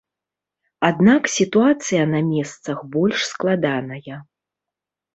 Аднак сітуацыя на месцах больш складаная.